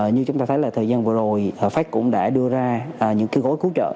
như chúng ta thấy là thời gian vừa rồi fed cũng đã đưa ra những cái gối cứu trợ